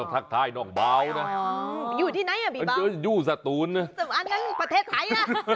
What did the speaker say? นั่นคือประเทศไทย